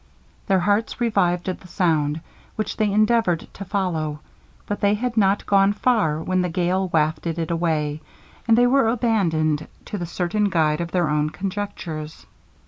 Their hearts revived at the sound, which they endeavoured to follow, but they had not gone far, when the gale wafted it away, and they were abandoned to the uncertain guide of their own conjectures.